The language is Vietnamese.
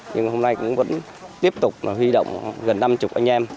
nhưng hôm nay cũng vẫn tiếp tục huy động gần năm mươi anh em